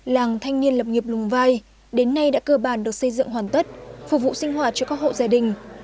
làng thanh niên lập nghiệp lùng vai đến nay đã cơ bản được xây dựng hoàn tất phục vụ sinh hoạt cho các hộ gia đình